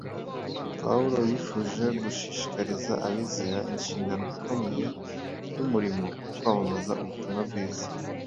Pawulo yifuje gushishikariza abizera inshingano ikomeye y’umurimo wo kwamamaza ubutumwa bwiza.